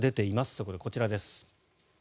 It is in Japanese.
そこでこちらです。